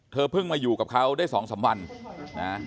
เพิ่งมาอยู่กับเขาได้๒๓วันนะ